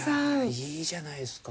いいじゃないですか。